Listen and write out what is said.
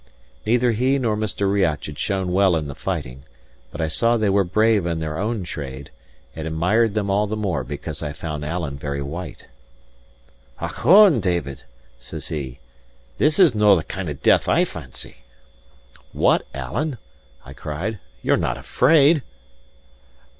Neither he nor Mr. Riach had shown well in the fighting; but I saw they were brave in their own trade, and admired them all the more because I found Alan very white. "Ochone, David," says he, "this is no the kind of death I fancy!" "What, Alan!" I cried, "you're not afraid?"